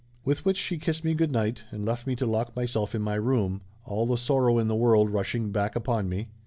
With which she kissed me good night and left me to lock myself in my room, all the sorrow in the world rushing back upon me.